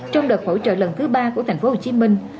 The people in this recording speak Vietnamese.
trong đợt hỗ trợ lần thứ ba của thành phố hồ chí minh